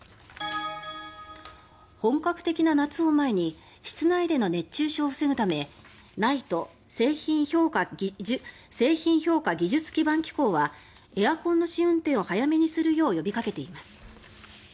本格的な夏を前に室内での熱中症を防ぐためＮＩＴＥ・製品評価技術基盤機構はエアコンの試運転を早めにするよう呼びかけています。